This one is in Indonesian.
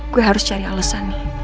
gue harus cari alesan nih